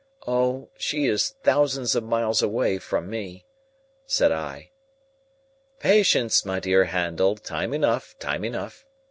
"Oh! She is thousands of miles away, from me," said I. "Patience, my dear Handel: time enough, time enough.